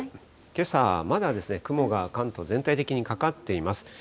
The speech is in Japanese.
けさはまだ雲が関東全体的にかかっています。